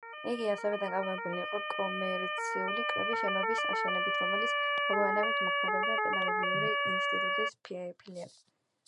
იგი ასევე დაკავებული იყო კომერციული კრების შენობის აშენებით, რომელშიც მოგვიანებით მოქმედებდა პედაგოგიური ინსტიტუტის ფილიალი.